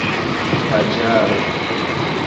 paĝaro